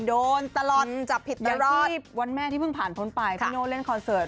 โดนตลอดจับผิดตลอดอยู่ที่วันแม่ที่พึ่งผ่านพ้นไปโน่เล่นคอนเสิร์ต